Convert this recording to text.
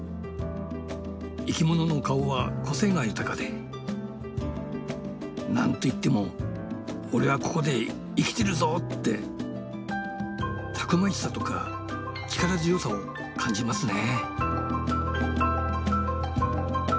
生きものの顔は個性が豊かでなんといっても「オレはここで生きてるぞ！」ってたくましさとか力強さを感じますね。